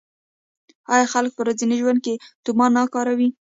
آیا خلک په ورځني ژوند کې تومان نه کاروي؟